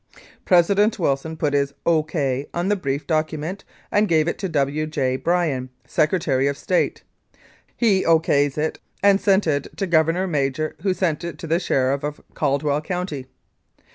"President Wilson put his ' O.K.' on the brief document, and gave it to W. J. Bryan, Secretary of State. He O.K. 's it and sent it to Governor Major, who sent it to the Sheriff of Caldwell County.